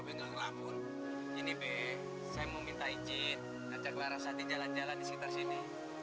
enggak ini saya mau minta izin ajak laras adi jalan jalan di sekitar sini